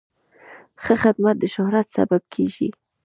ښه خدمت د شهرت سبب کېږي.